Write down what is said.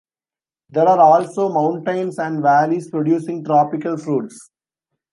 There are also mountains and valleys producing tropical fruits.